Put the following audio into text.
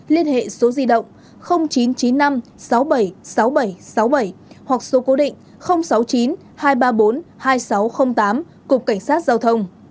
liên hệ số di động chín trăm chín mươi năm sáu mươi bảy sáu nghìn bảy trăm sáu mươi bảy hoặc số cố định sáu mươi chín hai trăm ba mươi bốn hai nghìn sáu trăm linh tám cục cảnh sát giao thông